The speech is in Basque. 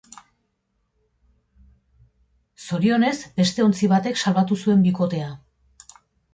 Zorionez, beste ontzi batek salbatu zuen bikotea.